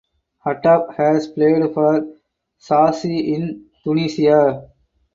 Hattab has played for Sousse in Tunisia.